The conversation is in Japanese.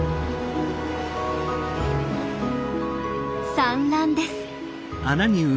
産卵です。